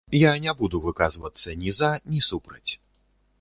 Я не буду выказвацца ні за, ні супраць.